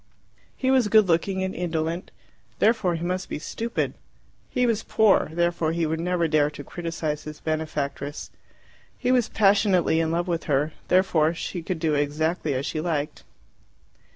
He was good looking and indolent; therefore he must be stupid. He was poor; therefore he would never dare to criticize his benefactress. He was passionately in love with her; therefore she could do exactly as she liked.